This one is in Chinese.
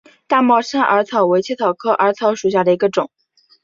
大帽山耳草为茜草科耳草属下的一个种。